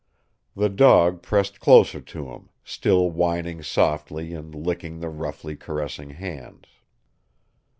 The dog pressed closer to him, still whining softly and licking the roughly caressing hands.